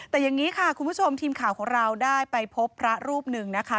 แต่อย่างนี้ค่ะคุณผู้ชมทีมข่าวของเราได้ไปพบพระรูปหนึ่งนะคะ